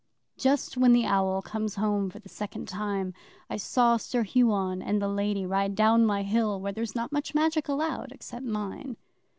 'Just when the owl comes home for the second time, I saw Sir Huon and the Lady ride down my Hill, where there's not much Magic allowed except mine.